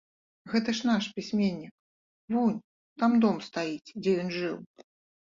Гэта ж наш пісьменнік, вунь там дом стаіць, дзе ён жыў.